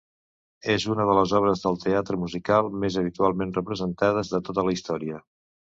És una de les obres del teatre musical més habitualment representades de tota la història.